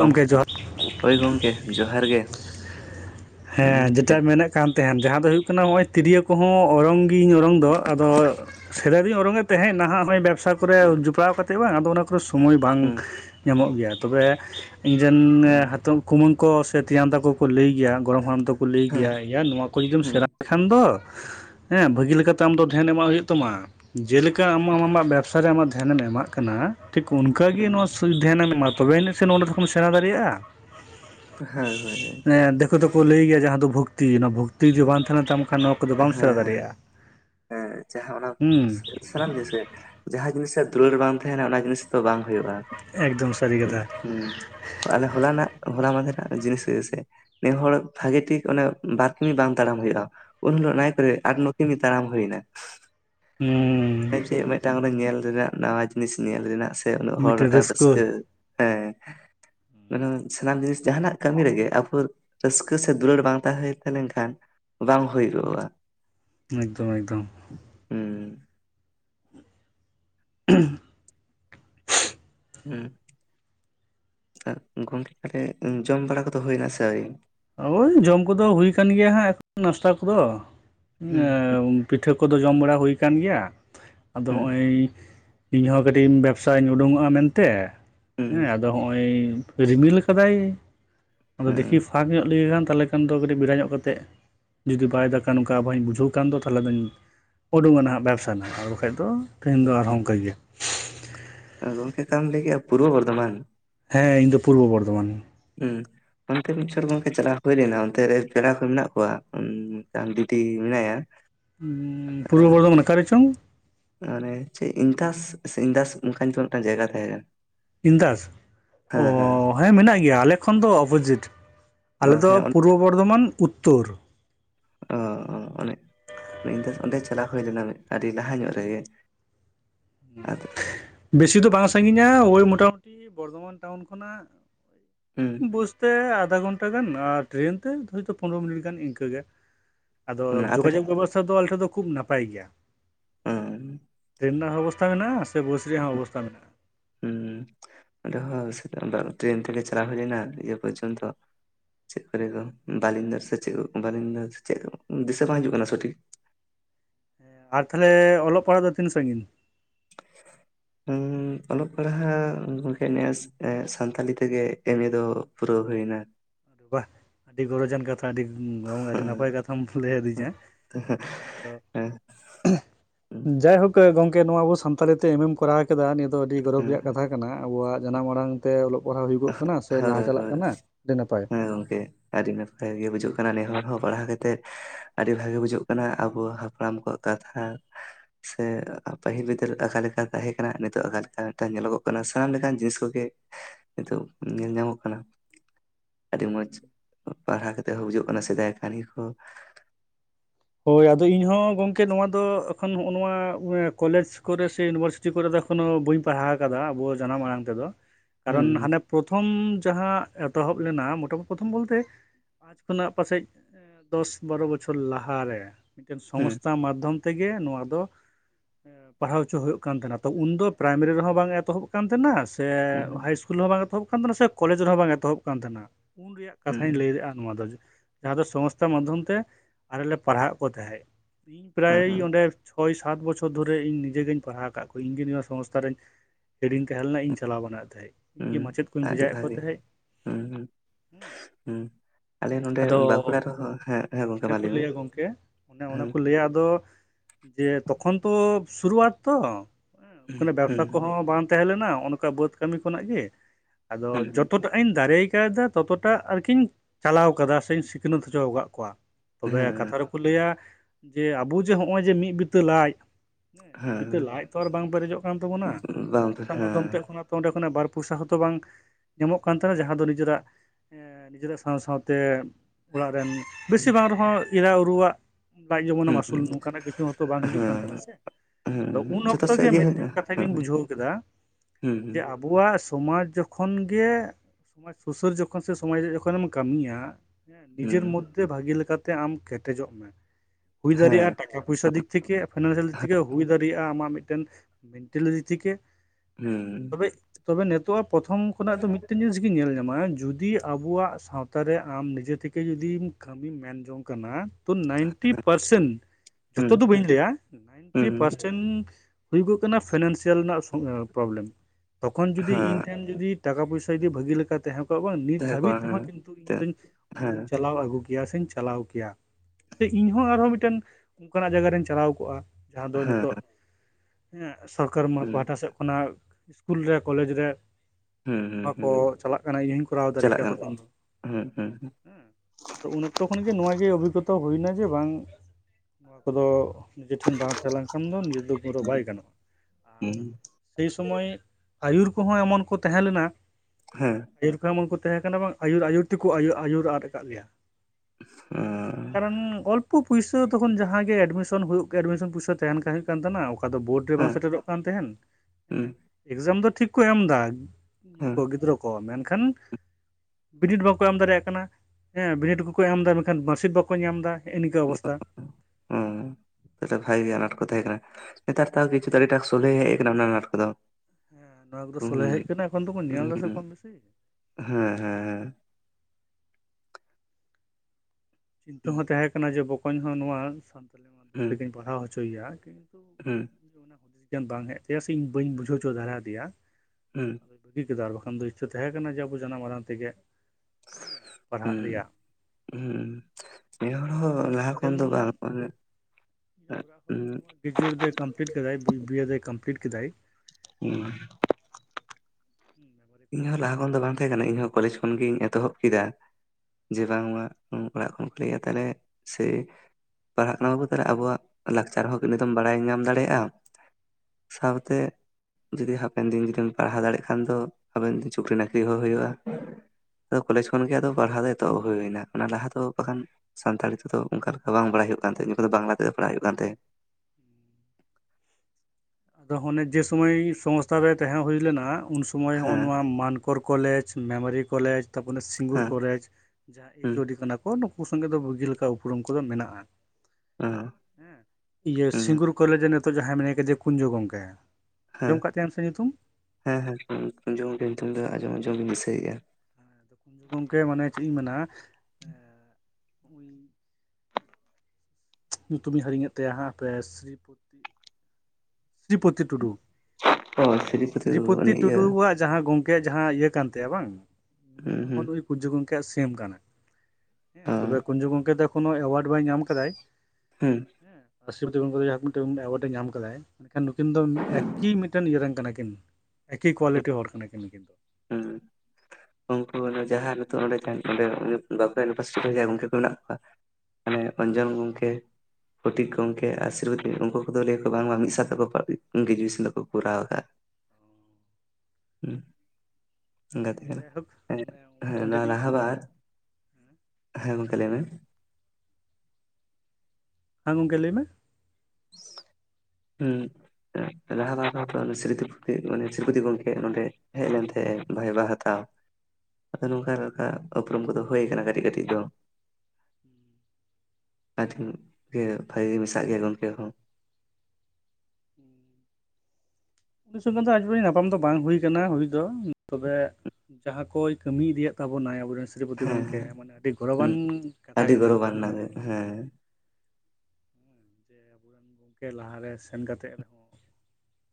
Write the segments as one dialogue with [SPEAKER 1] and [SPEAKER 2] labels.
[SPEAKER 1] ᱜᱚᱝᱠᱮ ᱡᱚᱦᱟᱨ
[SPEAKER 2] ᱜᱚᱝᱠᱮ ᱡᱚᱦᱟᱨ ᱜᱮ ᱦᱩᱸ
[SPEAKER 1] ᱦᱮᱸ ᱡᱮᱴᱟ ᱢᱮᱱᱮᱫ ᱠᱟᱱ ᱛᱟᱦᱮᱱ ᱡᱟᱦᱟᱸ ᱫᱚ ᱦᱩᱭᱩᱜ ᱠᱟᱱᱟ ᱱᱚᱜᱼᱚᱭ ᱛᱤᱨᱭᱳ ᱠᱚᱦᱚᱸ ᱚᱨᱚᱝ ᱜᱤᱧ ᱚᱨᱚᱝ ᱫᱚ ᱟᱫᱚ ᱥᱮᱫᱟᱭ ᱫᱚᱧ ᱚᱨᱚᱝ ᱮᱫ ᱛᱟᱦᱮᱸᱫ ᱱᱟᱦᱟᱜ ᱱᱚᱜ-ᱚᱭ ᱵᱮᱵᱽᱥᱟ ᱠᱚᱨᱮ ᱡᱚᱯᱲᱟᱣ ᱠᱟᱛᱮ ᱛᱮ ᱵᱟᱝ ᱟᱫᱚ ᱚᱱᱟ ᱠᱚᱨᱮ ᱥᱚᱢᱚᱭ ᱵᱟᱝ
[SPEAKER 2] ᱦᱩᱸ
[SPEAKER 1] ᱧᱟᱢᱚᱜ ᱜᱮᱭᱟ ᱛᱚᱵᱮ ᱤᱧᱨᱮᱱ
[SPEAKER 2] ᱦᱩᱸ
[SPEAKER 1] ᱦᱟᱛᱚᱢ ᱠᱩᱢᱟᱹᱝ ᱠᱚ ᱥᱮ ᱛᱮᱭᱟᱝ ᱛᱟᱠᱚ ᱠᱚ ᱞᱟᱹᱭ ᱜᱮᱭᱟ ᱜᱚᱲᱚᱢ ᱦᱟᱲᱟᱢ ᱛᱟᱠᱚ ᱞᱟᱹᱭ
[SPEAKER 2] ᱦᱮᱸ
[SPEAKER 1] ᱜᱮᱭᱟ ᱮᱭᱟ ᱱᱚᱣᱟ ᱠᱚ ᱡᱩᱫᱤᱢ
[SPEAKER 2] ᱦᱩᱸ
[SPEAKER 1] ᱥᱮᱸᱲᱟᱭ ᱠᱷᱟᱱ ᱫᱚ ᱦᱮᱸ ᱵᱷᱟᱹᱜᱤ ᱞᱮᱠᱟᱛᱮ ᱟᱢ ᱫᱚ ᱫᱷᱮᱱ ᱮᱢᱚᱜ ᱦᱩᱭᱩᱜ ᱛᱟᱢᱟ ᱡᱮᱞᱮᱠᱟ ᱟᱢᱢᱟ ᱟᱢᱟᱜ ᱵᱮᱵᱽᱥᱟ ᱨᱮ ᱟᱢᱟᱜ ᱫᱷᱮᱭᱟᱱᱮᱢ ᱮᱢᱟᱜ ᱠᱟᱱᱟ ᱴᱷᱤᱠ ᱚᱱᱠᱟᱜᱮ ᱱᱚᱣᱟ
[SPEAKER 2] ᱦᱩᱸ
[SPEAKER 1] ᱥᱩᱡᱽ ᱫᱷᱮᱭᱟᱱᱮᱢ ᱮᱢᱟ ᱛᱚᱵᱮ ᱟᱹᱱᱤᱡ ᱥᱮ ᱱᱚᱸᱰᱮ ᱠᱷᱚᱡ-ᱮᱢ ᱥᱮᱸᱲᱟ ᱫᱟᱲᱮᱭᱟᱜᱼᱟ
[SPEAKER 2] ᱦᱮᱸ ᱦᱳᱭ ᱦᱳᱭ
[SPEAKER 1] ᱠᱚᱫᱚ ᱠᱚ ᱞᱟᱹᱭ ᱜᱮᱭᱟ ᱡᱟᱦᱟᱸ ᱫᱚ ᱵᱷᱚᱠᱛᱤ ᱚᱱᱟ ᱵᱷᱚᱠᱛᱤ ᱡᱩᱫᱤ ᱵᱟᱝ ᱛᱟᱦᱮᱱᱟ ᱛᱟᱢ ᱠᱷᱟᱱ ᱱᱚᱣᱟ ᱠᱚᱫᱚ
[SPEAKER 2] ᱦᱮᱸ
[SPEAKER 1] ᱵᱟᱢ ᱥᱮᱸᱲᱟ
[SPEAKER 2] ᱦᱮᱸ
[SPEAKER 1] ᱫᱟᱲᱮᱭᱟᱜᱼᱟ
[SPEAKER 2] ᱦᱮᱸ ᱡᱟᱦᱟᱸ ᱚᱱᱟ
[SPEAKER 1] ᱦᱩᱸ
[SPEAKER 2] ᱥᱟᱱᱟᱢ ᱜᱮᱥᱮ ᱡᱟᱦᱟᱸ ᱡᱤᱱᱤᱥ ᱨᱮᱭᱟᱜ ᱫᱩᱞᱟᱹᱲ ᱵᱟᱝ ᱛᱟᱦᱮᱱᱟ ᱚᱱᱟ ᱡᱤᱱᱤᱥ ᱫᱚ ᱵᱟᱝ ᱦᱩᱭᱩᱜᱼᱟ
[SPEAKER 1] ᱮᱠᱫᱚᱢ ᱥᱟᱹᱨᱤ
[SPEAKER 2] ᱦᱩᱸ,
[SPEAKER 1] ᱠᱟᱛᱷᱟ
[SPEAKER 2] ᱦᱩᱸ ᱛᱟᱦᱚᱞᱮ ᱦᱚᱞᱟ ᱱᱟᱜ ᱦᱚᱞᱟ ᱢᱟᱫᱷᱮᱨ ᱨᱟᱜ ᱡᱤᱱᱤᱥ ᱦᱩᱭᱩᱜ ᱟᱥᱮ ᱯᱮ ᱦᱚᱲ ᱵᱷᱟᱜᱮ ᱴᱷᱤᱠ ᱚᱷᱟ ᱵᱟᱨ ᱠᱤᱢᱤ ᱵᱟᱝ ᱛᱟᱲᱟᱢ ᱦᱩᱭᱩᱜᱼᱟ᱾ ᱩᱱ ᱦᱤᱞᱚᱜ ᱱᱟᱭᱮᱴᱨᱮ ᱟᱨ ᱱᱩᱠᱤᱱ ᱜᱮ ᱛᱟᱲᱟᱢ ᱦᱩᱭᱱᱟ᱾
[SPEAKER 1] ᱦᱩᱸ
[SPEAKER 2] ᱡᱮ ᱢᱤᱫᱴᱟᱝ ᱧᱮᱞ ᱨᱮᱱᱟᱜ ᱱᱟᱣᱟ ᱡᱤᱱᱤᱥ ᱧᱮᱞ ᱨᱮᱱᱟᱜ ᱥᱮ ᱩᱱᱟᱹᱜ ᱦᱚᱲ ᱢᱤᱫᱴᱟᱝ ᱨᱟᱹᱥᱠᱟᱹ ᱦᱮᱸ ᱢᱟᱱᱮ ᱥᱟᱱᱟᱢ ᱡᱤᱱᱤᱥ ᱡᱟᱦᱟᱱᱟᱜ ᱠᱟᱹᱢᱤ ᱨᱮᱜᱮ ᱟᱵᱚ, ᱨᱟᱹᱥᱠᱟᱹ ᱥᱮ ᱫᱩᱞᱟᱹᱲ ᱵᱟᱝ ᱛᱟᱦᱮᱸ ᱦᱩᱭ ᱩᱛᱟᱹᱨ ᱞᱮᱱᱠᱷᱟᱱ ᱵᱟᱝ ᱦᱩᱭ ᱠᱚᱜᱼᱟ,
[SPEAKER 1] ᱮᱠᱫᱚᱢ ᱮᱠᱫᱚᱢ,
[SPEAKER 2] ᱦᱩᱸ
[SPEAKER 1] [inaudible]
[SPEAKER 2] ᱦᱩᱸ ᱟᱨ ᱜᱚᱝᱠᱮ ᱛᱟᱞᱚᱞᱮ ᱡᱚᱢ ᱵᱟᱲᱟ ᱠᱚᱫᱚ ᱦᱩᱭᱱᱟ ᱥᱮ ᱟᱹᱣᱨᱤ?
[SPEAKER 1] ᱦᱳᱭ ᱡᱚᱢ ᱠᱚᱫᱚ ᱦᱩᱭ ᱟᱠᱟᱱ ᱜᱮᱭᱟ ᱦᱟᱸᱜ ᱮ ᱱᱟᱥᱛᱟ ᱠᱚᱫᱚ,
[SPEAKER 2] ᱦᱩᱸ
[SPEAKER 1] ᱯᱤᱴᱷᱟᱹ ᱠᱚᱫᱚ ᱡᱚᱢ ᱵᱟᱲᱟ ᱦᱩᱭ ᱟᱠᱟᱱ ᱜᱮᱭᱟ ᱟᱫᱚ
[SPEAKER 2] ᱦᱩᱸ
[SPEAKER 1] ᱦᱚᱸᱜᱼᱚᱭ ᱤᱧᱦᱚᱸ ᱠᱟᱹᱴᱤᱡ ᱵᱮᱵᱥᱟᱧ ᱩᱰᱝᱠᱚᱜᱼᱟ ᱢᱮᱱᱛᱮ
[SPEAKER 2] ᱦᱩᱸ
[SPEAKER 1] ᱦᱮᱸ ᱦᱚᱜ ᱚᱸᱭ ᱨᱤᱢᱤᱞ ᱟᱠᱟᱫᱟᱭ ᱟᱫᱚ ᱫᱮᱠᱦᱤ,
[SPEAKER 2] ᱦᱩᱸ
[SPEAKER 1] ᱯᱷᱟᱸᱠ ᱧᱚᱜ ᱞᱮ ᱠᱷᱟᱱ ᱛᱟᱦᱚᱞᱮ ᱠᱷᱟᱱ ᱫᱚ ᱠᱟᱹᱴᱤᱡ ᱵᱮᱲᱟ ᱧᱚᱜ ᱠᱟᱛᱮᱫ, ᱡᱩᱫᱤ ᱵᱟᱭ ᱫᱟᱜᱽ ᱠᱷᱟᱱ ᱚᱱᱠᱟ ᱟᱵᱚᱣᱟᱜ ᱤᱧ ᱟᱫᱩᱧ ᱵᱩᱡᱷᱟᱹᱣ ᱠᱦᱟᱱ ᱫᱚ ᱛᱟᱦᱚᱞᱮ ᱵᱮᱱ, ᱩᱰᱩᱝᱚᱜᱼᱟ ᱦᱟᱸᱜ ᱵᱮᱵᱽᱥᱟ ᱱᱷᱟᱜ ᱟᱨ ᱵᱟᱠᱷᱟᱡ ᱫᱚ ᱛᱮᱦᱤᱧ ᱫᱚ ᱟᱨᱦᱚᱸ ᱚᱱᱠᱟ ᱜᱮᱭᱟ᱾
[SPEAKER 2] ᱜᱚᱝᱠᱮ ᱚᱠᱟᱢ ᱞᱟᱹᱭ ᱠᱮᱫᱼᱟ ᱵᱩᱨᱩ ᱵᱚᱨᱫᱷᱚᱢᱟᱱ,
[SPEAKER 1] ᱦᱮᱸ ᱦᱮᱸ ᱤᱧ ᱫᱚ ᱯᱩᱨᱩᱵ ᱵᱚᱨᱫᱷᱚᱢᱟᱱ᱾
[SPEAKER 2] ᱦᱩᱸ, ᱚᱱᱛᱮ ᱢᱤᱫᱵᱚᱪᱷᱚᱨ ᱜᱚᱝᱠᱮ ᱪᱟᱞᱟᱣ ᱦᱩᱭ ᱞᱮᱱᱟ ᱚᱱᱛᱮ ᱨᱮ ᱯᱮᱲᱟ ᱠᱚ ᱢᱮᱱᱟᱜ ᱠᱚᱣᱟ ᱚᱱᱠᱟ ᱫᱤᱫᱤ ᱢᱮᱱᱟᱭᱟ᱾
[SPEAKER 1] ᱦᱩᱸ ᱯᱩᱨᱵᱚ ᱵᱚᱨᱫᱷᱚᱢᱟᱱ ᱚᱠᱟᱨᱮᱪᱚᱝ?
[SPEAKER 2] ᱢᱟᱱᱮ ᱪᱮᱫ ᱤᱱᱠᱟᱥ ᱥᱮ ᱤᱱᱫᱟᱥ ᱚᱱᱠᱟ ᱧᱩᱛᱩᱢᱟᱱ ᱢᱤᱫᱴᱟᱝ ᱡᱟᱭᱜᱟ ᱛᱟᱦᱮᱸ ᱠᱟᱱᱟ᱾
[SPEAKER 1] ᱤᱱᱫᱟᱥ ᱚᱻ ᱦᱮᱸ ᱢᱮᱱᱟᱜ ᱜᱮᱭᱟ ᱟᱞᱮ ᱠᱷᱚᱱ ᱫᱚ ᱚᱵᱚᱡᱤᱴ᱾
[SPEAKER 2] ᱚ
[SPEAKER 1] ᱟᱞᱮᱫᱚ
[SPEAKER 2] ᱦᱮᱸ ᱚᱱᱮ
[SPEAKER 1] ᱯᱩᱨᱵᱚ ᱵᱚᱨᱫᱷᱚᱢᱟᱱ ᱩᱛᱛᱚᱨ᱾
[SPEAKER 2] ᱚ ᱚᱻ ᱚᱱᱮ ᱚᱱᱮ ᱤᱱᱫᱟᱥ ᱚᱸᱰᱮ ᱪᱟᱞᱟᱣ ᱦᱩᱭ ᱞᱮᱱᱟ ᱟᱹᱰᱤ ᱞᱟᱦᱟ ᱧᱚᱜ ᱨᱮᱜᱮ᱾ ᱟᱫᱚ
[SPEAKER 1] ᱵᱮᱥᱤ ᱫᱚ ᱵᱟᱝ ᱥᱟᱺᱜᱤᱧᱟ ᱳᱭ ᱢᱚᱴᱟᱢᱩᱴᱤ ᱵᱚᱨᱫᱷᱚᱢᱟᱱ ᱴᱟᱣᱩᱢᱱ ᱠᱷᱚᱱᱟᱜ,
[SPEAKER 2] ᱦᱩᱸ
[SPEAKER 1] ᱵᱩᱥᱛᱮ ᱟᱫᱷᱟ ᱜᱷᱚᱱᱴᱟ ᱜᱟᱱ ᱟᱨ ᱴᱨᱮᱹᱱ ᱛᱮ ᱦᱚᱭᱛᱚ ᱯᱚᱱᱨᱚ ᱢᱤᱱᱤᱴ ᱜᱟᱱ ᱤᱱᱠᱟᱹᱜᱮ᱾ ᱟᱫᱚ
[SPEAKER 2] ᱢᱟᱱᱮ ᱟᱯᱮ ᱴᱷᱮᱡ
[SPEAKER 1] ᱡᱳᱜᱟᱡᱳᱜᱽ ᱵᱮᱵᱚᱥᱛᱷᱟ ᱫᱚ ᱟᱞᱮ ᱴᱷᱮᱱ ᱫᱚ ᱠᱷᱩᱵ ᱱᱟᱯᱟᱭ ᱜᱮᱭᱟ᱾
[SPEAKER 2] ᱦᱮᱸᱻ
[SPEAKER 1] ᱴᱨᱮᱱ ᱨᱮᱱᱟᱜ ᱦᱚᱸ ᱚᱵᱚᱥᱛᱟ ᱢᱮᱱᱟᱜᱼᱟ ᱥᱮ ᱵᱳᱚᱥ ᱨᱮᱭᱟᱜ ᱦᱚᱸ ᱚᱵᱚᱥᱛᱟ ᱢᱮᱱᱟᱜᱼᱟ᱾
[SPEAKER 2] ᱦᱩᱸ ᱚᱱᱰᱮ ᱦᱳ [unintelligible] ᱴᱨᱮᱱ ᱛᱤᱜᱮ ᱪᱟᱞᱟᱣ ᱦᱩᱭᱞᱤᱱᱟ ᱱᱤᱭᱟᱹ ᱯᱚᱨᱡᱚᱱᱛᱚ, ᱪᱮᱫ ᱠᱚᱨᱮ ᱠᱚ ᱵᱟᱞᱤᱧ ᱫᱟᱨ ᱥᱮ ᱪᱮᱫ ᱵᱟᱹᱞᱤᱧ ᱫᱟᱨ ᱪᱮ ᱪᱮᱫ ᱫᱤᱥᱟᱹ ᱵᱟᱝ ᱦᱤᱡᱩᱜ ᱠᱟᱱᱟ ᱥᱚᱴᱷᱤᱠ᱾
[SPEAKER 1] ᱢᱮᱱᱟᱜᱼᱟ ᱟᱨ ᱛᱟᱦᱚᱞᱮ ᱚᱞᱚᱜ ᱯᱟᱲᱦᱟᱜ ᱫᱚ ᱛᱤᱱᱟᱹᱜ ᱥᱟᱺᱜᱤᱧ? [inaudible]
[SPEAKER 2] ᱦᱩᱸᱻ ᱚᱞᱚᱜ ᱯᱟᱲᱦᱟᱣ ᱜᱚᱝᱠᱮ ᱱᱮᱥ ᱥᱟᱱᱛᱦᱟᱞᱤ ᱛᱮᱜᱮ ᱮ ᱢᱮ ᱫᱚ, ᱯᱩᱨᱟᱹᱣ ᱦᱩᱭᱮᱱᱟ᱾
[SPEAKER 1] ᱵᱟ ᱟᱹᱰᱤ ᱜᱚᱨᱚᱚᱡᱟᱱ ᱠᱟ -ᱛᱷᱟ ᱟᱹᱰᱤ ᱜᱟᱱᱚᱝ ᱟᱹᱰᱤ ᱱᱟᱯᱟᱭ
[SPEAKER 2] ᱦᱮᱸ
[SPEAKER 1] ᱠᱟᱛᱷᱟᱢ ᱞᱟᱹᱭ ᱟᱹᱫᱤᱧᱟ ᱟᱫᱚ,
[SPEAKER 2] ᱦᱮᱸ
[SPEAKER 1] ᱡᱟᱭᱦᱳᱠ ᱜᱚᱝᱠᱮ ᱱᱚᱣᱟ ᱟᱵᱚ ᱥᱟᱱᱛᱦᱟᱞᱤ ᱛᱮ ᱮᱢᱮᱢ ᱠᱚᱨᱟᱣ ᱠᱮᱫᱟ ᱱᱤᱭᱟᱹ ᱫᱚ ᱟᱹᱰᱤ ᱜᱚᱨᱚᱵᱽ
[SPEAKER 2] ᱦᱮᱸ
[SPEAKER 1] ᱨᱮᱭᱟᱜ ᱠᱟᱛᱷᱟ ᱠᱟᱱᱟ᱾ ᱠᱟᱱᱟ ᱟᱵᱚᱣᱟᱜ ᱡᱟᱱᱟᱢ ᱟᱲᱟᱝ ᱛᱮ ᱚᱞᱚᱜ ᱯᱟᱲᱦᱟᱣ ᱦᱩᱭᱩᱜᱚᱜ ᱠᱟᱱᱟ ᱥᱮ ᱞᱟᱦᱟ
[SPEAKER 2] ᱦᱳᱭ
[SPEAKER 1] ᱪᱟᱞᱟᱜ
[SPEAKER 2] ᱦᱳᱭ
[SPEAKER 1] ᱠᱟᱱᱟ ᱟᱹᱰᱤ ᱱᱟᱯᱟᱭ᱾
[SPEAKER 2] ᱦᱮᱸ ᱜᱚᱝᱠᱮ ᱟᱹᱰᱤ ᱱᱟᱯᱟᱭ ᱜᱮ ᱵᱩᱡᱩᱜ ᱠᱟᱱᱟ ᱱᱮᱦᱚᱨ ᱦᱚᱸ ᱯᱟᱲᱦᱟᱣ ᱠᱟᱛᱮᱫ ᱟᱹᱰᱤ ᱵᱷᱟᱜᱤ ᱵᱩᱡᱩᱜ ᱠᱟᱱᱟ ᱟᱵᱚ ᱦᱟᱯᱲᱟᱢ ᱠᱚᱣᱟᱜ, ᱠᱟᱛᱷᱟ ᱥᱮ ᱯᱟᱹᱦᱤᱞ ᱵᱤᱫᱟᱹᱞ ᱚᱠᱟᱞ ᱞᱮᱠᱟ ᱛᱟᱦᱮᱸ ᱠᱟᱱᱟ ᱱᱤᱛᱚᱜ ᱚᱠᱟ ᱞᱮᱠᱟ ᱢᱤᱫᱴᱟᱹᱜ ᱧᱮᱞᱚᱜᱚᱜ ᱠᱟᱱᱟ ᱥᱟᱱᱟᱢ ᱞᱮᱠᱟᱱ ᱡᱤᱱᱤᱥ ᱠᱚᱜᱮ
[SPEAKER 1] [inaudible]
[SPEAKER 2] ᱱᱤᱛᱚᱜ ᱧᱮᱞ ᱧᱟᱢᱚᱜ ᱠᱟᱱᱟ, ᱟᱹᱰᱤ ᱢᱚᱸᱡᱽ ᱯᱟᱲᱦᱟᱣ ᱠᱟᱛᱮᱫ ᱦᱚᱸ ᱵᱩᱡᱷᱟᱹᱜ ᱠᱟᱱᱟ ᱥᱮᱫᱟᱭ ᱠᱟᱹᱦᱱᱤ ᱠᱚ,
[SPEAKER 1] ᱦᱳᱭ ᱟᱫᱚ ᱤᱧ ᱦᱚᱸ ᱜᱚᱝᱠᱮ ᱱᱚᱣᱟ ᱫᱚ ᱮᱠᱷᱚᱱ ᱱᱚᱜᱼ ᱱᱚᱣᱟ ᱠᱚᱞᱮᱡᱽ ᱠᱚᱨᱮ ᱥᱮ ᱭᱩᱱᱤᱣᱟᱹᱨᱥ ᱴᱤ ᱠᱚᱨᱮ ᱫᱚ ᱮᱠᱷᱚᱱᱳ ᱵᱟᱹᱧ ᱯᱟᱲᱦᱟᱣ ᱠᱟᱫᱟ ᱟᱵᱚ ᱡᱟᱱᱟᱢ ᱟᱲᱟᱝ ᱛᱮᱫᱚ ᱠᱟᱨᱚᱱ ᱦᱟᱱ
[SPEAKER 2] ᱦᱩᱸ
[SPEAKER 1] ᱯᱨᱚᱛᱷᱚᱢ ᱡᱟᱦᱟᱸ ᱮᱛᱚᱦᱚᱵ ᱞᱮᱱᱟ ᱢᱚᱴᱟᱢᱩᱴᱤ ᱯᱨᱚᱛᱷᱚᱢ ᱵᱚᱞᱛᱮ ᱟᱡ ᱠᱷᱚᱱᱟᱜ ᱯᱟᱥᱮᱡ ᱫᱚᱥ ᱵᱟᱨᱚ ᱵᱚᱪᱷᱚᱨ ᱞᱟᱦᱟᱨᱮ ᱢᱤᱫᱴᱮᱱ
[SPEAKER 2] ᱦᱩᱸ
[SPEAKER 1] ᱥᱚᱝᱥᱛᱷᱟ ᱢᱟᱫᱽᱫᱷᱚᱢ ᱛᱮ ᱛᱮᱜᱮ ᱱᱚᱣᱟ ᱫᱚ ᱯᱟᱲᱦᱟᱣ ᱦᱚᱪᱚ ᱦᱩᱭᱩᱜ ᱠᱟᱱ ᱛᱟᱦᱮᱱᱟ ᱛᱚ ᱩᱱᱫᱚ ᱯᱨᱟᱭᱢᱟᱹᱨᱤ ᱨᱮᱦᱚᱸ ᱵᱟᱝ ᱮᱛᱚᱦᱚᱵ ᱠᱟᱱ ᱛᱟᱦᱮᱱᱟ ᱥ ᱥᱮ
[SPEAKER 2] ᱦᱩᱸ
[SPEAKER 1] ᱦᱟᱭ ᱤᱥᱠᱩᱞ ᱨᱮᱦᱚᱸ ᱵᱟᱝ ᱮᱛᱚᱦᱚᱵ ᱠᱟᱱ ᱛᱟᱦᱮᱱᱟ ᱥᱮ ᱠᱚᱞᱮᱡᱽ ᱨᱮᱦᱚᱸ ᱵᱟᱝ ᱮᱛᱚᱦᱚᱵ ᱠᱟᱱ ᱛᱟᱦᱮᱱᱟ ᱩᱱ ᱨᱮᱭᱟᱜ ᱠᱟᱛᱷᱟᱧ
[SPEAKER 2] ᱦᱩᱸ
[SPEAKER 1] ᱞᱟᱹᱭ ᱞᱮᱼᱟ ᱱᱚᱣᱟ ᱫᱚ ᱡᱟᱦᱟᱸ ᱫᱚ ᱥᱚᱝᱥᱛᱷᱟ ᱢᱟᱫᱽᱫᱷᱚᱢ ᱛᱮ ᱟᱞᱮ ᱞᱮ ᱯᱟᱲᱦᱟᱣᱮᱫ ᱠᱚ ᱛᱟᱦᱮᱸᱫ, ᱤᱧ
[SPEAKER 2] ᱦᱩᱸ
[SPEAKER 1] ᱯᱨᱟᱭ
[SPEAKER 2] ᱦᱩᱸ
[SPEAKER 1] ᱚᱸᱰᱮ ᱪᱷᱚᱭ ᱥᱟᱛ ᱵᱚᱪᱷᱚᱨ ᱫᱷᱩᱨᱮ ᱤᱧ ᱱᱤᱡᱮᱜ ᱜᱤᱧ ᱯᱟᱲᱦᱟᱣ ᱠᱟᱫ ᱠᱚᱣᱟ ᱤᱧᱡᱤᱱᱤᱭᱟᱨ ᱥᱚᱝᱥᱛᱷᱟ ᱨᱤᱧ ᱦᱮᱰᱤᱧ ᱛᱟᱦᱮᱸ ᱞᱮᱱᱟ ᱤᱧ ᱪᱟᱞᱟᱣ ᱠᱟᱱᱟ ᱛᱟᱦᱮᱸᱜ ᱤᱧ
[SPEAKER 2] ᱦᱩᱸ
[SPEAKER 1] ᱜᱮ ᱢᱟᱪᱮᱫ ᱠᱚᱧ ᱵᱷᱮᱡᱟᱭᱮᱫ ᱠᱚ ᱛᱟᱦᱮᱸᱫ ᱾
[SPEAKER 2] ᱦᱢ ᱟᱞᱮ ᱱᱚᱰᱮ ᱵᱟᱸᱠᱩᱲᱟ ᱨᱮᱦᱚᱸ ᱦᱮᱸ ᱦᱮᱸ ᱜᱚᱝ
[SPEAKER 1] ᱚᱱᱮ ᱠᱚ ᱞᱟᱹᱭᱟ ᱜᱚᱝᱠᱮ ᱚᱱᱮ ᱚᱱᱟ ᱠᱚ ᱞᱟᱹᱭᱟ ᱟᱫᱚ, ᱡᱮ ᱛᱚᱠᱷᱚᱱ ᱛᱚ ᱥᱩᱨᱩᱼᱟᱫ ᱛᱚ
[SPEAKER 2] ᱦᱩᱸ
[SPEAKER 1] ᱠᱚᱱᱮ ᱵᱮᱵᱟᱹᱥᱛᱷᱟ
[SPEAKER 2] ᱦᱩᱸ
[SPEAKER 1] ᱠᱚᱦᱚᱸ ᱵᱟᱝ ᱛᱟᱦᱮᱸ ᱞᱮᱱᱟ ᱚᱱᱠᱟ ᱵᱟᱹᱫ ᱠᱟᱹᱢᱤ ᱠᱷᱚᱱᱟᱜ ᱜᱮ ᱟᱫᱚ
[SPEAKER 2] ᱦᱩᱸ
[SPEAKER 1] ᱡᱚᱛᱚᱴᱟᱜ ᱤᱧ ᱫᱟᱨᱮ ᱟᱠᱟᱣᱫᱟ ᱛᱚᱛᱚᱴᱟᱜ ᱟᱨᱠᱤᱧ ᱪᱟᱞᱟᱣ ᱟᱠᱟᱫᱟ ᱥᱮᱧ ᱥᱤᱠᱷᱱᱟᱹᱛ ᱦᱚᱪᱚ ᱟᱠᱟᱼᱜ ᱠᱚᱣᱟ ᱛᱚᱵᱮ
[SPEAKER 2] ᱦᱮᱸ
[SPEAKER 1] ᱠᱟᱛᱷᱟ ᱨᱮᱠᱚ ᱞᱟᱹᱭᱟ ᱡᱮ ᱟᱵᱚ ᱡᱮ ᱱᱚᱜᱼᱚᱭ ᱡᱮ ᱢᱤᱫ ᱵᱤᱛᱟᱹ ᱞᱟᱡ ᱦᱮᱸ ᱢᱤᱫ ᱵᱤᱛᱟᱹ ᱞᱟᱡ ᱛᱚ ᱟᱨ ᱵᱟᱝ ᱯᱮᱨᱮᱡᱚᱜ ᱠᱟᱱ ᱛᱟᱵᱚᱱᱟ ᱚᱱᱟ
[SPEAKER 2] ᱵᱟᱝ
[SPEAKER 1] ᱥᱚᱝᱥᱛᱷᱟ ᱢᱟᱫᱽᱫᱷᱚᱢ ᱛᱮ
[SPEAKER 2] ᱦᱮᱸ
[SPEAKER 1] ᱛᱚ ᱚᱸᱰᱮ ᱠᱷᱚᱱᱟᱜ ᱵᱟᱨ ᱯᱚᱭᱥᱟ ᱦᱚᱸᱛᱚ ᱵᱟᱝ ᱧᱟᱢᱚᱜ ᱠᱟᱱ ᱛᱟᱦᱮ ᱡᱟᱦᱟᱸ ᱫᱚ ᱱᱤᱡᱮᱨᱟᱜ ᱮᱸ ᱱᱤᱡᱮᱨᱟᱜ ᱥᱟᱶ-ᱥᱟᱶᱛᱮ ᱚᱲᱟᱜ ᱨᱮᱱ ᱵᱮᱥᱤ ᱵᱟᱝ ᱨᱮᱦᱚᱸ ᱮᱨᱟᱼᱩᱨᱩᱣᱟᱜ ᱞᱟᱡ ᱡᱮᱢᱚᱱᱮᱢ
[SPEAKER 2] ᱦᱩᱸ
[SPEAKER 1] ᱟᱹᱥᱩᱞ
[SPEAKER 2] ᱦᱩᱸ
[SPEAKER 1] ᱱᱚᱝᱠᱟᱱᱟᱜ ᱠᱤᱪᱷᱩ ᱦᱚᱸ ᱛᱚ ᱵᱟᱝ ᱦᱤᱡᱩᱜ ᱠᱟᱱ ᱛᱟᱦᱮᱱᱟ
[SPEAKER 2] ᱦᱮᱸ
[SPEAKER 1] ᱥᱮ, ᱟᱫᱚ
[SPEAKER 2] ᱦᱩᱸ
[SPEAKER 1] ᱩᱱ
[SPEAKER 2] ᱡᱚᱛᱚ
[SPEAKER 1] ᱚᱠᱛᱚ
[SPEAKER 2] ᱥᱮᱫ
[SPEAKER 1] ᱜᱮ
[SPEAKER 2] ᱦᱮᱸ
[SPEAKER 1] ᱢᱤᱫᱴᱮᱱ ᱠᱟᱛᱷᱟ ᱜᱤᱧ
[SPEAKER 2] ᱦᱩᱸ
[SPEAKER 1] ᱵᱩᱡᱷᱟᱹᱣ ᱠᱮᱫᱟ
[SPEAKER 2] ᱦᱩᱸ
[SPEAKER 1] ᱡᱮ ᱟᱵ ᱟᱵᱚᱣᱟᱜ ᱥᱚᱢᱟᱡᱽ ᱡᱚᱠᱷᱚᱱ ᱜᱮ ᱥᱚᱢᱟᱡᱽ ᱥᱩᱥᱟᱹᱨ ᱡᱚᱠᱷᱚᱱ ᱥᱮ ᱥᱚᱢᱟᱡᱽ ᱨᱮ ᱡᱚᱠᱷᱚᱱᱮᱢ ᱠᱟᱹᱢᱤᱭᱟ ᱦᱮᱸ ᱱᱤᱡᱮᱨ
[SPEAKER 2] ᱦᱩᱸ
[SPEAKER 1] ᱢᱚᱫᱽᱫᱮ ᱵᱷᱟᱜᱤ ᱞᱮᱠᱟᱛᱮ ᱟᱢ ᱠᱮᱴᱮᱡᱚᱜ ᱢᱮ ᱦᱩᱭ
[SPEAKER 2] ᱦᱮᱸ
[SPEAKER 1] ᱫᱟᱲᱮᱭᱟᱜᱼᱟ ᱴᱟᱠᱟ ᱯᱚᱭᱥᱟ ᱫᱤᱠ ᱛᱷᱮᱠᱮ ᱯᱷᱟᱭᱱᱟᱱᱥᱟᱞ ᱛᱷᱮᱠᱮ ᱦᱩᱭ ᱫᱟᱲᱮᱭᱟᱜᱼᱟ ᱟᱢᱟᱜ ᱢᱤᱫᱴᱮᱱ ᱢᱮᱱᱴᱟᱞᱤ ᱛᱷᱮᱠᱮ ᱦᱮᱸ
[SPEAKER 2] ᱦᱩᱸ
[SPEAKER 1] ᱛᱚᱵᱮ ᱛᱚᱵᱮ ᱱᱤᱛᱚᱜ ᱯᱨᱚᱛᱷᱚᱢ ᱠᱷᱚᱱᱟᱜ ᱫᱚ ᱢᱤᱫᱴᱮᱱ ᱡᱤᱱᱤᱥ ᱧᱮᱞ ᱧᱟᱢᱟᱼᱟ ᱡᱩᱫᱤ ᱟᱵᱚᱣᱟᱜ ᱥᱟᱶᱛᱟ ᱨᱮ ᱟᱢ ᱱᱤᱡᱮ ᱛᱷᱮᱠᱮ ᱡᱩᱫᱤᱢ ᱠᱟᱹᱢᱤᱢ ᱢᱮᱱ ᱡᱚᱝ ᱠᱟᱱᱟ ᱛᱚ ᱱᱟᱭᱤᱱᱴᱤ ᱯᱟᱨᱥᱮᱱ ᱡᱷᱚᱛᱚ
[SPEAKER 2] ᱦᱩᱸ
[SPEAKER 1] ᱫᱚ ᱵᱟᱹᱧ ᱞᱟᱹᱭᱟ ᱱᱟᱭᱤᱱᱴᱤ
[SPEAKER 2] ᱦᱩᱸ
[SPEAKER 1] ᱯᱟᱨᱥᱮᱱᱴ ᱦᱩᱭᱩᱜᱚᱜ ᱠᱟᱱᱟ ᱯᱷᱟᱭᱱᱟᱱᱥᱤᱭᱟᱞ ᱨᱮᱱᱟᱜ ᱯᱨᱚᱵᱞᱮᱢ, ᱛᱚᱠᱷᱚᱱ ᱡᱩᱫᱤ
[SPEAKER 2] ᱦᱮᱸ
[SPEAKER 1] ᱤᱧᱴᱷᱮᱱ ᱡᱩᱫᱤ ᱴᱟᱠᱟ ᱯᱚᱭᱥᱟ ᱡᱩᱫᱤ ᱵᱷᱟᱹᱜᱤ ᱞᱮᱠᱟ ᱛᱟᱦᱮᱸ ᱠᱚᱜ ᱵᱟᱝ ᱱᱤᱛ
[SPEAKER 2] ᱛᱟᱦᱮᱸ ᱠᱚᱜᱼᱟ
[SPEAKER 1] ᱫᱷᱟᱹᱵᱤᱡ ᱛᱮᱦᱚᱸ
[SPEAKER 2] ᱦᱮᱸ
[SPEAKER 1] ᱠᱤᱱᱛᱩ ᱤᱧ
[SPEAKER 2] ᱛᱮᱫ
[SPEAKER 1] ᱫᱚᱧ ᱚᱱᱟ
[SPEAKER 2] ᱦᱮᱸ
[SPEAKER 1] ᱫᱩᱧ ᱪᱟᱞᱟᱣ ᱟᱹᱜᱩ ᱠᱮᱭᱟ ᱥᱮᱧ ᱪ ᱪᱟᱞᱟᱣ ᱠᱮᱭᱟ ᱥᱮ ᱤᱧ ᱦᱚᱸ ᱟᱨᱦᱚᱸ ᱢᱤᱫᱴᱮᱱ ᱚᱱᱠᱟᱱᱟᱜ ᱡᱟᱭᱜᱟ ᱨᱮᱧ ᱪᱟᱞᱟᱣ ᱠᱚᱜᱼᱟ, ᱡᱟᱦᱟᱸ ᱫᱚ
[SPEAKER 2] ᱦᱮᱸ
[SPEAKER 1] ᱱᱤᱛᱚᱜ ᱥᱚᱨᱠᱟᱨ ᱢᱟ
[SPEAKER 2] ᱦᱩᱸ
[SPEAKER 1] ᱯᱟᱦᱴᱟ ᱥᱮᱫ ᱠᱷᱚᱱᱟᱜ ᱠᱩᱞ ᱨᱮ ᱠᱚᱞᱮᱡᱽ ᱨᱮ
[SPEAKER 2] ᱦᱩᱸ ᱦᱩᱸ
[SPEAKER 1] ᱱᱚᱣᱟ ᱠᱚ
[SPEAKER 2] ᱦᱩᱸ
[SPEAKER 1] ᱪᱟᱞᱟᱜ ᱠᱟᱱᱟ ᱤᱧ ᱦᱚᱧ ᱠᱚᱨᱟᱣ ᱫᱟᱲᱮ
[SPEAKER 2] ᱪᱟᱞᱟᱜ
[SPEAKER 1] ᱠᱮᱭᱟ
[SPEAKER 2] ᱠᱟᱱᱟ
[SPEAKER 1] ᱛᱚᱠᱷᱚᱱ ᱫᱚ
[SPEAKER 2] ᱦᱩᱸ ᱦᱩᱸ ᱦᱩᱸ
[SPEAKER 1] ᱦᱮᱸ ᱟᱫᱚ ᱩᱱ ᱚᱠᱛᱚ ᱠᱷᱚᱱ ᱜᱮ ᱱᱚᱣᱟ ᱜᱮ ᱚᱵᱷᱤᱜᱚᱛᱟ ᱦᱩᱭᱱᱟ ᱡᱮ ᱵᱟᱝ ᱱᱚᱣᱟ ᱠᱚᱫᱚ ᱱᱤᱡᱮ ᱴᱷᱮᱱ ᱵᱟᱝ ᱛᱟᱦᱮᱸ ᱞᱮᱱᱠᱷᱟᱱ ᱫᱚ ᱱᱤᱡᱮ ᱫᱚ ᱱᱤᱡᱮ ᱛᱮᱫᱚ ᱠᱩᱠᱢᱩ ᱫᱚ ᱵᱟᱭ ᱜᱟᱱᱚᱜᱼᱟ ᱟᱨ
[SPEAKER 2] ᱦᱮᱸ
[SPEAKER 1] ᱥᱮᱭ ᱥᱚᱢᱚᱭ ᱟᱹᱭᱩᱨ ᱠᱚᱦᱚᱸ ᱮᱢᱚᱱ ᱠᱚ ᱛᱟᱦᱮᱸ ᱞᱮᱱᱟ
[SPEAKER 2] ᱦᱮᱸ
[SPEAKER 1] ᱡᱮ ᱞᱮᱠᱟ ᱮᱢᱚᱱ ᱠᱚ ᱛᱟᱦᱮᱸ ᱠᱟᱱᱟ ᱵᱟᱝ ᱟᱹᱭᱩᱨ ᱟᱹᱭᱩᱨ ᱛᱮᱠᱚ ᱟᱹᱭᱩᱨ ᱟᱫ ᱟᱠᱟᱫ ᱞᱮᱭᱟ
[SPEAKER 2] ᱦᱮᱸ᱾
[SPEAKER 1] ᱠᱟᱨᱚᱱ ᱚᱞᱯᱚ ᱯᱩᱭᱥᱟᱹ ᱛᱚᱠᱷᱚᱱ ᱡᱟᱦᱟᱸ ᱜᱮ ᱮᱰᱢᱤᱥᱚᱱ ᱦᱩᱭᱩᱜ ᱠᱟᱱᱟ ᱮᱰᱢᱤᱥᱚᱱ ᱯᱩᱭᱥᱟ ᱛᱟᱦᱮᱱ ᱛᱟᱦᱮᱫᱼᱼ ᱛᱟᱦᱮ ᱚᱠᱟ ᱫᱚ ᱵᱳᱨᱰ ᱨᱮ ᱵᱟᱝ ᱥᱮᱴᱮᱨᱚᱜ ᱠᱟᱱ ᱛᱟᱦᱮᱱ ᱦᱮᱸ ᱮᱠᱡᱟᱢ ᱫᱚ ᱴᱷᱤᱠ ᱠᱚ ᱮᱢᱫᱟ᱾ ᱤᱭᱟᱹ
[SPEAKER 2] ᱦᱮᱸ ᱦᱩᱸ
[SPEAKER 1] ᱠᱚ ᱜᱤᱫᱽᱨᱟᱹ ᱠᱚ ᱢᱮᱱᱠᱷᱟᱱ ᱵᱤᱱᱤᱰ ᱵᱟᱝᱠᱚ ᱮᱢ ᱫᱟᱲᱮᱭᱟᱜ ᱠᱟᱱᱟ ᱦᱮᱸ ᱵᱤᱱᱤᱰ ᱠᱚᱼᱼ ᱵᱟᱠᱚ ᱮᱢ ᱮᱫᱟ ᱢᱮᱱᱠᱷᱟᱱ ᱢᱟᱨᱥᱤᱴ ᱵᱟᱠᱚ ᱧᱟᱢᱫᱟ ᱦᱮᱜ ᱱᱮᱝᱠᱟ ᱚᱵᱚᱥᱛᱟ᱾
[SPEAKER 2] ᱦᱮᱸᱻ ᱛᱟᱦᱚᱞᱮ ᱵᱷᱟᱜᱮ ᱟᱱᱟᱴ ᱠᱚ ᱛᱟᱦᱮᱸ ᱠᱟᱱᱟ ᱱᱮᱛᱟᱨ ᱛ ᱠᱤᱪᱷᱩ ᱫᱚ ᱟᱹᱰᱤᱴᱟ ᱥᱚᱞᱦᱮ ᱦᱮᱡ ᱟᱠᱟᱱᱟ ᱚᱱᱟ ᱟᱱᱟᱴ ᱠᱚᱫᱚ᱾
[SPEAKER 1] ᱦᱮᱸ ᱱᱚᱶᱟ ᱠᱚᱫᱚ
[SPEAKER 2] ᱦᱩᱸ
[SPEAKER 1] ᱥᱚᱞᱦᱮ
[SPEAKER 2] ᱦᱩᱸ
[SPEAKER 1] ᱦᱮᱡ ᱟᱠᱟᱱᱟ ᱮᱠᱷᱚᱱ ᱫᱚᱠᱚ ᱧᱮᱞ ᱮᱫᱟ ᱥᱮᱮ ᱠᱚᱢ ᱵᱮᱥᱤ᱾
[SPEAKER 2] ᱦᱮᱸ ᱦᱮᱸ ᱦᱮᱸ
[SPEAKER 1] ᱪᱤᱱᱛᱟᱹ ᱦᱚᱸ ᱛᱟᱦᱮᱸ ᱠᱟᱱᱟ ᱡᱮ ᱵᱚᱠᱚᱧ ᱦᱚᱸ ᱱᱚᱣᱟ ᱥᱟᱱᱛᱟᱞᱤ ᱢᱟᱫᱽᱫᱷᱚᱢ ᱛᱮᱜᱮᱧ ᱯᱟᱲᱦᱟᱣ ᱦᱚᱪᱚ ᱭᱮᱭᱟ ᱠᱤᱱᱛᱩᱼᱼ
[SPEAKER 2] ᱦᱮᱸ
[SPEAKER 1] ᱦᱩᱫᱤᱥ ᱜᱮᱟᱱ ᱵᱟᱝ ᱦ ᱛ ᱛᱟᱭᱟ ᱥᱮ ᱤᱧ ᱵᱧ ᱵᱩᱡᱟᱹᱣ ᱦᱚᱪᱚ ᱫᱟᱲᱮ ᱟᱫᱮᱭᱟ᱾
[SPEAKER 2] ᱦᱮᱸ
[SPEAKER 1] ᱵᱟᱹᱜᱤ ᱠᱮᱫ ᱟᱨ ᱵᱟᱠᱷᱟᱱ ᱫᱚ ᱤᱪᱪᱷᱟᱹ ᱛᱟᱦᱮᱸ ᱠᱟᱱᱟ ᱡᱮ ᱟᱵᱚ ᱡᱟᱱᱟᱢ ᱟᱦᱟᱝ ᱛᱮᱜᱮᱼᱼ
[SPEAKER 2] ᱦᱩᱸ ᱦᱮᱸᱻ ᱮ
[SPEAKER 1] ᱛᱚᱵᱮ
[SPEAKER 2] ᱞᱟᱦᱟ ᱠᱷᱚᱱ
[SPEAKER 1] ᱤᱧᱨᱮᱱ
[SPEAKER 2] ᱫᱚ ᱵᱟᱝᱼᱼ
[SPEAKER 1] ᱜᱨᱮᱡᱩᱭᱮᱴ ᱮ ᱠᱚᱢᱯᱞᱤᱴ ᱠᱮᱫᱟᱭ ᱵᱤ. ᱵᱤᱭ ᱮ ᱮ ᱠᱚᱢᱯᱞᱤᱴ ᱠᱮᱫᱟᱟᱭ᱾
[SPEAKER 2] ᱦᱮᱸ
[SPEAKER 1] [inaudible]
[SPEAKER 2] ᱤᱧᱦ ᱞᱟᱦᱟ
[SPEAKER 1] ᱠᱷᱚᱱᱟᱜ
[SPEAKER 2] ᱠᱷᱚᱱ ᱫᱚ ᱵᱟᱝ ᱛᱟᱦᱮᱸ ᱠᱟᱱᱟ ᱤᱧ ᱦᱚ ᱠᱚᱞᱮᱡ ᱠᱷᱚᱱᱜᱤᱧ ᱮᱛᱚᱦᱚᱵ ᱠᱮᱫᱟ᱾ ᱡᱮ ᱵᱟᱝᱢᱟ ᱚᱲᱟᱜ ᱠᱷᱚᱱ ᱠᱚ ᱞᱟᱹᱭᱟ ᱛᱟᱦᱚᱞᱮ ᱥᱮᱼᱼ ᱯᱟᱲᱦᱟᱜ ᱠᱟᱱᱟᱚᱱᱟᱦ ᱟᱵᱚᱣᱟᱜ ᱞᱟᱠᱪᱟᱨ ᱦᱚᱸᱚᱢ ᱵᱟᱲᱟᱭ ᱧᱟᱢ ᱫᱟᱲᱮᱭᱟᱜᱼᱟ᱾ ᱥᱟᱶᱛᱮ ᱡᱩᱫᱤ ᱦᱟᱯᱮᱱ ᱫᱤᱱ ᱡᱩᱫᱤᱢ ᱯᱟᱲᱦᱟᱣ ᱫᱟᱲᱮ ᱭᱟᱜ ᱠᱷᱟᱱ ᱫᱚᱼᱼ ᱦᱟᱵᱮᱱ ᱫᱚ ᱪᱩᱠᱨᱤ ᱱᱚᱠᱨᱤ ᱦᱚᱸ ᱦᱩᱭᱩᱜᱼᱟ᱾ ᱟᱫᱚ ᱠᱚᱞᱮᱡᱽ ᱠᱷᱚᱱᱜᱮ ᱯᱟᱲᱦᱟᱣ ᱫᱚ ᱮᱛᱚᱦᱚᱵ ᱦᱩᱭᱱᱟ ᱚᱱᱟ ᱞᱟᱦᱟ ᱫᱚ ᱵᱟᱠᱷᱟᱱ ᱥᱟᱱᱛᱟᱲᱤ ᱛᱮᱫᱚᱚᱱᱠᱟ ᱞᱮᱠᱟ ᱵᱟᱝ ᱯᱲᱦ ᱦᱩᱭᱩᱜ ᱠᱟᱱ ᱛᱟᱦᱮᱸᱜ ᱱ ᱫᱚ ᱵᱟᱝ ᱛᱮᱫᱚ ᱯᱟᱲᱦ ᱦᱩᱭᱩᱜ ᱠᱟᱱ ᱛᱟᱦᱮᱸᱜᱼᱼ
[SPEAKER 1] ᱟᱫᱚ ᱚᱱᱮ ᱡᱮ ᱥᱩᱚᱢᱚᱭ ᱥᱚᱝ ᱥᱛᱷᱟ ᱨᱮ ᱛᱟᱦᱮᱸ ᱦᱩᱭ ᱞᱮᱱᱟ ᱩᱱ ᱥᱩᱚᱢᱚᱭ ᱦᱚᱸᱜᱼᱚᱭ
[SPEAKER 2] ᱦᱮᱸ
[SPEAKER 1] ᱱᱚᱣᱟ ᱢᱟᱱᱼᱼ ᱠᱚᱨ ᱠᱚᱞᱮᱡᱽ ᱢᱮᱢᱳᱟᱨᱤ ᱠᱚᱞᱮᱡᱽ ᱛᱟᱨᱯᱚᱨᱮ ᱥᱤᱝᱜᱩᱨ,
[SPEAKER 2] ᱦᱮᱸ
[SPEAKER 1] ᱠᱚᱞᱮᱡᱽ, ᱡᱟᱦᱟᱸ ᱮᱡ.
[SPEAKER 2] ᱦᱩᱸ
[SPEAKER 1] ᱳ. ᱰᱤ ᱠᱟᱱᱟ ᱠᱚ ᱱᱩᱠᱩ ᱥᱚᱸᱜᱮ ᱫᱚ ᱵᱟᱹᱜᱤ ᱞᱮᱠᱟ ᱩᱯᱨᱩᱢ ᱠᱚᱫᱚ ᱢᱮᱱᱟᱜᱼᱟ᱾
[SPEAKER 2] ᱦᱸ
[SPEAKER 1] ᱤᱭᱟᱹ ᱥᱤᱝᱜᱩᱨ ᱠᱚᱞᱮᱡᱽ ᱨᱮ ᱱᱤᱛᱚᱜ ᱡᱟᱦᱟᱸᱭ ᱢᱮᱱᱟᱭ ᱠᱟᱫᱮ ᱠᱩᱧᱡᱩ ᱜᱚᱝᱠᱮᱼᱼ
[SPEAKER 2] ᱦᱮᱸ
[SPEAKER 1] ᱟᱸᱡᱚᱢ ᱠᱟᱫ ᱛᱟᱭᱢ ᱥᱮ ᱧᱩᱛᱩᱢ?
[SPEAKER 2] ᱦᱮᱸ ᱦᱮᱸ ᱡᱚᱢ ᱧᱩᱛᱩᱢ ᱫᱚ ᱟᱸᱡᱚᱢ ᱟᱡᱚᱢᱤᱧ ᱫᱤᱥᱟᱹᱭᱮᱫᱼᱟ᱾
[SPEAKER 1] ᱦᱮᱸ ᱜᱚᱝᱠᱮ ᱢᱟᱱᱮ ᱪᱮᱫ ᱤᱧ ᱢᱮᱱᱟ?
[SPEAKER 2] [inaudible]
[SPEAKER 1] ᱧᱩᱛᱩᱢᱤᱧ ᱦᱤᱧᱮᱫ ᱛᱟᱭᱟ ᱦ ᱟᱯᱮ ᱥᱨᱤᱼᱼ ᱥᱨᱤᱯᱚᱛᱤ ᱴᱩᱰᱩ
[SPEAKER 2] ᱚ
[SPEAKER 1] ᱦ
[SPEAKER 2] ᱵᱟᱹᱵᱩ
[SPEAKER 1] ᱥᱨᱤᱯᱚᱛᱤ
[SPEAKER 2] ᱩᱱᱤ ᱤᱭᱟᱹ
[SPEAKER 1] ᱴᱩᱰᱩᱣᱟᱜᱼᱼ ᱡᱟᱦᱟᱸ ᱜᱚᱝᱠᱮ ᱭᱟᱜ ᱡᱟᱦᱟᱸ ᱤᱭᱟᱹ ᱠᱟᱱ ᱛᱟᱭᱼᱟ ᱵᱟᱝ
[SPEAKER 2] ᱦᱩᱸ
[SPEAKER 1] ᱩᱱᱤᱭᱟᱜ ᱦᱚᱸ
[SPEAKER 2] ᱦᱩᱸ
[SPEAKER 1] ᱱ ᱯᱩᱡᱟᱹ ᱜᱚᱢᱠᱮᱭᱟᱜ ᱥᱮᱢ ᱠᱟᱱᱟ᱾ ᱦᱮᱸ
[SPEAKER 2] ᱚ
[SPEAKER 1] ᱛᱚᱵᱮ ᱠᱩᱧᱡᱩ ᱜᱚᱢᱠᱮ ᱫᱚ ᱠᱳᱱᱳ ᱮᱣᱟᱨᱰ ᱵᱟᱭ ᱧᱟᱢ ᱠᱟᱫᱫᱟ
[SPEAKER 2] ᱦᱮᱸ
[SPEAKER 1] ᱨᱟᱥᱥᱤᱯᱤ ᱜᱚᱝᱠ ᱡ ᱡᱟᱦᱟᱸ ᱢᱤᱫᱴᱮᱱ ᱮᱣᱟᱨᱰ ᱮ ᱧᱟᱢ ᱟᱠᱟᱫᱟᱭ ᱮᱱᱠᱷᱟᱱ ᱱᱩᱠᱤᱱ ᱫᱚ ᱮᱠᱤ ᱢᱤᱫᱴᱮᱱ ᱤᱭᱟᱹᱨ ᱨᱮᱱ ᱠᱟᱱᱟ ᱠᱤᱱ ᱮᱠᱤ ᱠᱳᱣᱟᱞᱤᱴᱤ ᱦᱚᱲ ᱠᱟᱱᱟ ᱠᱤᱱ ᱱᱩᱠᱤᱱ ᱫᱚ᱾
[SPEAKER 2] ᱦᱮᱸ ᱩᱱᱠᱩ ᱡᱟᱦᱟᱸᱭ ᱱᱤᱛᱚᱜ ᱚᱰᱮᱸ ᱵᱟᱸᱠᱩᱲᱟ ᱤᱭᱩᱱᱤᱵᱷᱟᱨᱥᱤᱴᱤ ᱨᱮᱱ ᱡᱟᱦᱟᱸ ᱜᱚᱢᱠᱮ ᱠᱚ ᱢᱮᱱᱟᱜ ᱠᱚᱣᱟ ᱢᱟᱱᱮ ᱚᱧᱡᱚᱱ ᱜᱚᱢᱠᱮᱼᱼ ᱠᱚᱴᱷᱤᱠ ᱜᱚᱢᱠᱮ ᱟᱥᱤᱨᱵᱟᱫᱽ ᱩᱱᱠᱩ ᱠᱚᱫᱚ ᱞᱟᱹᱭᱟᱠᱚ ᱵᱟᱝ ᱢᱤᱫ ᱥ ᱛᱮᱠᱚ ᱜᱨᱮᱡᱩᱭᱮᱥᱚᱱ ᱫᱚᱠᱚ ᱠᱚᱨᱟᱣ ᱟᱠᱟᱫᱼᱟ᱾
[SPEAKER 1] [inaudible]
[SPEAKER 2] ᱦᱩᱸ᱾ ᱜᱟᱛᱮ ᱠᱟᱱᱟ
[SPEAKER 1] ᱡᱟᱭᱦᱳᱠ ᱢᱟᱱᱮ
[SPEAKER 2] ᱦᱮᱸ ᱱᱚᱣᱟ
[SPEAKER 1] ᱚᱸᱰᱮᱱᱤᱡ ᱦᱚᱸ
[SPEAKER 2] ᱞᱟᱦᱟᱵᱟᱨ, ᱦᱮᱸ ᱜᱚᱢᱠᱮ ᱞᱟᱹᱭ ᱢᱮ᱾
[SPEAKER 1] ᱦᱮᱸ ᱜᱚᱝᱠᱮ ᱞᱟᱹᱭ ᱢᱮ᱾ [inaudible]
[SPEAKER 2] ᱦᱩᱸ ᱞᱟᱦᱟ ᱵᱟᱨᱦᱚᱸᱛᱚ ᱱᱩᱭ ᱥᱨᱤᱯᱚᱛᱤ ᱩᱱᱤ ᱥᱤᱨᱤᱯᱚᱛᱤ ᱜᱚᱢᱠᱮ ᱱᱚᱸᱰᱮ ᱦᱮᱡ ᱞᱮᱱ ᱛᱟᱸᱦᱮ ᱮ ᱵᱷᱟᱭᱵᱟ ᱦᱟᱛᱟᱣ᱾ ᱟᱫᱚ ᱱᱚᱝᱠᱟ ᱞᱮᱠᱟ ᱩᱯᱨᱩᱢ ᱠᱚᱫᱚ ᱦᱩᱭ ᱠᱟᱱᱟ ᱠᱟᱹᱴᱤᱡ ᱠᱟᱹᱴᱤᱡ ᱫᱚ᱾ ᱟᱹ ᱴᱷᱮᱱ ᱵᱷᱟᱜᱮ ᱜᱮ ᱢᱮᱥᱟᱜ ᱜᱮᱭᱟ ᱜᱚᱝᱠᱮ ᱦᱚᱸ᱾
[SPEAKER 1] [inaudible] ᱩᱱᱤ ᱥᱚᱸᱜᱮ ᱫᱚ ᱟᱡ ᱯᱚᱨᱡᱚᱱᱛᱚ ᱧᱟᱯᱟᱢ ᱫᱚ ᱵᱟᱝ ᱦᱩᱭ ᱠᱟᱱᱟ ᱦᱩᱭ ᱫᱚ, ᱛᱚᱵᱮ ᱡᱟᱦᱟᱸ ᱠᱚᱭ ᱠᱟᱹᱢᱤ ᱤᱫᱤᱭᱮᱫ ᱛᱟᱵᱚᱱᱟᱭ ᱟᱵᱚᱨᱮᱱ ᱥᱠᱟᱹᱯᱚᱛᱤ
[SPEAKER 2] ᱦᱮᱸ
[SPEAKER 1] ᱜᱚᱝᱠᱮ
[SPEAKER 2] ᱦᱮᱸ
[SPEAKER 1] ᱢᱟᱱᱮ ᱟᱹᱰᱤ
[SPEAKER 2] ᱦᱩᱸ
[SPEAKER 1] ᱜᱚᱨᱚᱵᱟᱱ ᱠᱟᱛᱷᱟ
[SPEAKER 2] ᱟᱹᱰᱤ
[SPEAKER 1] ᱠᱟᱱᱟ᱾
[SPEAKER 2] ᱜᱚᱨᱚᱵᱟᱱ ᱨᱮᱱᱟᱜ ᱦᱮᱸ᱾
[SPEAKER 1] ᱥᱮ ᱟᱵᱩᱨᱟᱱ ᱫᱚ ᱜᱚᱝᱠᱮ ᱞᱟᱦᱟ ᱨᱮ ᱥᱮᱱ ᱠᱟᱛᱮᱜ ᱨᱮᱦᱚᱸ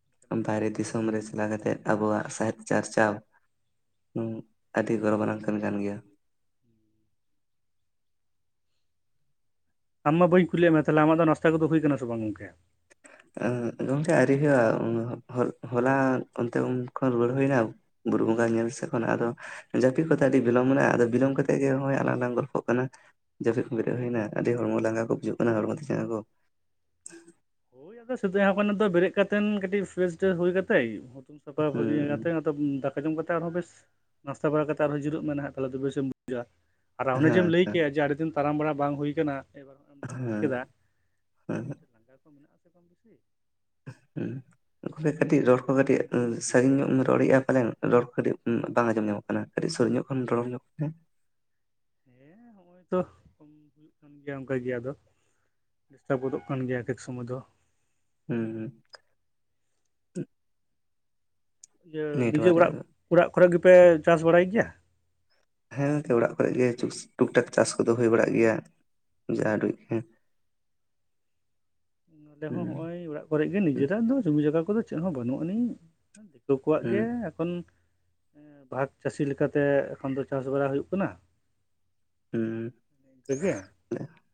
[SPEAKER 1] ᱮᱱᱠᱷᱟᱱ ᱟᱹᱰᱤ
[SPEAKER 2] ᱵᱟᱦᱨᱮ
[SPEAKER 1] ᱱᱟᱯᱟᱭ ᱟᱵᱚ
[SPEAKER 2] ᱫᱤᱥᱚᱢ ᱨᱮ
[SPEAKER 1] ᱥᱟᱱᱛᱟᱲ
[SPEAKER 2] ᱪᱟᱞᱟᱣ
[SPEAKER 1] ᱤᱫᱤ ᱠᱟᱛᱮᱫ
[SPEAKER 2] ᱠᱟᱛᱮᱜ
[SPEAKER 1] ᱠᱟᱹᱢᱤ ᱞᱮᱫᱟᱭ
[SPEAKER 2] ᱟᱵᱚᱣᱟᱜ ᱥᱟᱦᱮᱫ ᱪᱟᱨᱪᱟᱣ ᱦᱩᱸᱜ ᱟᱹᱰᱤ ᱜᱚᱨᱚᱵᱟᱱᱟᱝ ᱠᱟᱹᱢᱤ ᱠᱟᱱ ᱜᱮᱭᱟ᱾
[SPEAKER 1] ᱦᱳᱭ ᱟᱢ ᱢᱟ ᱵᱟᱹᱧ ᱠᱩᱞᱤᱭᱮᱜ ᱢᱮ ᱛᱟᱦᱚᱞᱮ ᱟᱢᱟᱜ ᱫᱚ ᱱᱟᱥᱛᱟ ᱠᱚᱫᱚ ᱦᱩᱭ ᱠᱟᱱᱟ ᱥᱮ ᱵᱟᱝ ᱜᱚᱝᱠᱮ?
[SPEAKER 2] ᱚᱸᱜ ᱜᱚᱝᱠᱮ ᱟᱹᱣᱨᱤ ᱦᱩᱭᱩᱜᱼᱟ, ᱦᱚᱜ ᱦᱚᱞᱟ ᱚᱱᱛᱮ ᱩᱱ ᱠᱷᱚᱱ ᱨᱩᱣᱟᱹᱲ ᱦᱩᱭᱱᱟ ᱵᱩᱨᱩ ᱵᱚᱸᱜᱟ ᱧᱮᱞ ᱥᱮᱜ ᱠᱷᱚᱱᱟᱜ ᱟᱫᱚ ᱡᱟᱹᱯᱤᱜ ᱠᱚᱛᱮ ᱟᱹᱰᱤ ᱵᱤᱞᱚᱢ ᱢᱮᱱᱟᱜᱼᱟ, ᱟᱫᱚ ᱵᱤᱞᱚᱢ ᱠᱟᱛᱮᱜ ᱜᱮ ᱦᱚᱜᱼᱚᱭ ᱟᱞᱟᱝᱞᱟᱝ ᱜᱚᱞᱯᱷᱚᱜ ᱠᱟᱱᱟ᱾ ᱡᱟᱹᱯᱤᱫ ᱠᱷᱚᱱ ᱵᱮᱨᱮᱫ ᱦᱩᱭᱱᱟ ᱟᱹᱰᱤ ᱦᱚᱲᱢᱚ ᱞᱟᱸᱜᱟ ᱠᱚ ᱵᱩᱡᱷᱚᱜ ᱠᱟᱱᱟ ᱦᱚᱲᱢᱚ ᱛᱤ ᱡᱟᱸᱜᱟ ᱠᱚ᱾
[SPEAKER 1] ᱦᱳᱭ ᱟᱫᱚ ᱥᱤᱫᱤᱭᱟ ᱦᱚᱸᱜ ᱱᱤᱛᱚᱜ ᱵᱮᱨᱮᱜ ᱠᱟᱛᱮᱱ ᱠᱟᱹᱴᱤᱜ ᱯᱷᱮᱨᱥ ᱴᱨᱮᱥ ᱦᱩᱭ ᱠᱟᱛᱮᱜ ᱦᱩᱛᱩᱢ ᱥᱟᱯᱷᱟ
[SPEAKER 2] ᱦᱮᱸ
[SPEAKER 1] ᱯᱷᱟᱹᱨᱤᱭᱟᱹ ᱠᱟᱛᱮᱜ ᱫᱚᱢ ᱫᱟᱠᱟ ᱡᱚᱢ ᱠᱟᱛᱮ ᱟᱨᱦᱚᱸ ᱵᱮᱥ ᱱᱟᱥᱛᱟ ᱵᱟᱲᱟ ᱠᱟᱛᱮ ᱟᱨᱦᱚᱸ ᱡᱤᱨᱟᱹᱜ ᱢᱮ ᱱᱟᱸᱦᱟᱜ ᱛᱟᱦᱚᱞᱮ ᱟᱹᱰᱤ ᱵᱮᱥᱮᱢ ᱵᱩᱡᱟᱹᱣᱟ᱾ ᱟᱨ ᱚᱱᱮ ᱡᱮᱢ ᱞᱟᱹᱭ
[SPEAKER 2] ᱦᱮᱸ
[SPEAKER 1] ᱠᱮᱜᱼᱟ ᱡᱮ ᱟᱹᱰᱤ ᱫᱤᱱ ᱛᱟᱨᱟᱢ ᱵᱟᱨᱟ ᱵᱟᱝ ᱦᱩᱭ ᱠᱟᱱᱟ, ᱮᱵᱟᱨ ᱦᱚᱜᱼᱚᱭᱮᱢ ᱛᱟᱨᱟᱢ ᱠᱮᱫᱟ
[SPEAKER 2] ᱩᱸ ᱦᱩᱸᱜ᱾
[SPEAKER 1] ᱛᱚ ᱠᱚᱢ ᱵᱤᱥᱤ
[SPEAKER 2] [unintelligible] ᱩᱱᱠᱴᱷᱮᱡ ᱠᱟᱹᱴᱤᱡ ᱨᱚᱲ ᱠᱚ ᱠᱟᱹᱴᱤᱡ ᱚᱸ ᱥᱟᱹᱜᱤᱧ ᱧᱚᱜᱼᱮᱢ ᱨᱚᱲᱮᱜᱼᱟ ᱯᱟᱞᱮᱱ ᱨᱚᱲ ᱠᱚ ᱠᱟᱹᱴᱤᱡ ᱵᱟᱝ ᱟᱸᱡᱚᱢ ᱧᱟᱢᱚᱜ ᱠᱟᱱᱟ᱾ ᱠᱟᱹᱴᱤᱡ ᱥᱳᱨ ᱧᱚᱜ ᱠᱷᱚᱱ ᱨᱚᱲ ᱧᱚᱜ ᱢᱮ᱾
[SPEAKER 1] ᱦᱮᱸ ᱱᱚᱜᱼᱚᱭ ᱛᱚ ᱠᱚᱢ ᱦᱩᱭᱩᱜ ᱠᱟᱱ ᱜᱮᱭᱟ ᱚᱝᱠᱟ ᱜᱮ ᱟᱫᱚ ᱰᱤᱥᱴᱟᱵ ᱜᱚᱫᱚᱜ ᱠᱟᱱ ᱜᱮᱭᱟ ᱮᱠᱮᱠ ᱥᱚᱢᱚᱭ ᱫᱚ᱾
[SPEAKER 2] ᱦᱩᱸᱻ
[SPEAKER 1] ᱤᱭᱟᱹ ᱱᱤᱡᱮ
[SPEAKER 2] ᱱᱮᱴᱣᱟᱨ ᱨᱮᱭᱟᱜ
[SPEAKER 1] ᱚᱲᱟᱜ,
[SPEAKER 2] ᱫᱚ
[SPEAKER 1] ᱚᱲᱟᱜ ᱠᱚᱨᱮᱜ ᱜᱮᱯᱮ ᱪᱟᱥ ᱵᱟᱲᱟᱭ ᱜᱮᱭᱟ?
[SPEAKER 2] ᱦᱮᱸ ᱜᱚᱝᱠᱮ ᱚᱲᱟᱜ ᱠᱚᱨᱮᱜ ᱜᱮ ᱪᱩᱥ ᱴᱩᱠ ᱴᱟᱠ ᱪᱟᱥ ᱠᱚᱫᱚ ᱦᱳᱭ ᱵᱟᱲᱟᱜ ᱜᱮᱭᱟ᱾ ᱡᱟ ᱩᱰᱩᱡ ᱜᱮ᱾
[SPEAKER 1] ᱱᱚᱸᱰᱮ ᱦᱚᱸ ᱦᱚᱜ
[SPEAKER 2] ᱦᱩᱸ
[SPEAKER 1] ᱚᱭ ᱚᱲᱟᱜ ᱠᱚᱨᱮᱜ ᱜᱮ
[SPEAKER 2] ᱦᱩᱸ
[SPEAKER 1] ᱱᱤᱡᱮᱨᱟᱜ ᱫᱚ ᱡᱩᱢᱤ ᱡᱟᱜᱟ ᱠᱚᱫᱚ ᱪᱮᱫ ᱦᱚᱸ ᱵᱟᱹᱱᱩᱜ ᱟᱹᱱᱤᱡ᱾ ᱫᱳᱠᱳᱣᱟᱜ ᱜᱮ ᱮᱠᱷᱚᱱ ᱮᱸ ᱵᱷᱟᱜᱽ ᱪᱟᱹᱥᱤ ᱞᱮᱠᱟᱛᱮ ᱮᱠᱷᱮᱱ ᱫᱚ ᱪᱟᱥ ᱵᱟᱨᱟ ᱦᱩᱭᱩᱜ ᱠᱟᱱᱟ,
[SPEAKER 2] ᱦᱩᱸ᱾
[SPEAKER 1] ᱴᱷᱤᱠ ᱜᱮᱭᱟ?